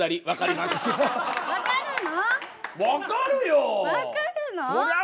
わかるの？